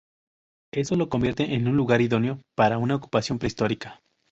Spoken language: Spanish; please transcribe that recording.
Esto lo convierte en un lugar idóneo para una ocupación prehistórica.